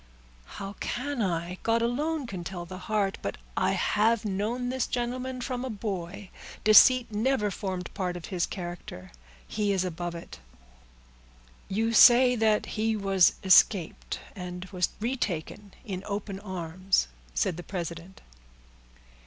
"How can I? God alone can tell the heart; but I have known this gentleman from a boy; deceit never formed part of his character. He is above it." "You say that he escaped, and was retaken in open arms?" said the president.